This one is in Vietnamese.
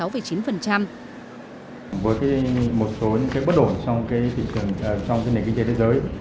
với một số bất đổi trong nền kinh tế thế giới